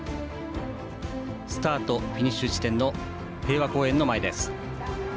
スタート・フィニッシュ地点の平和公園の前です。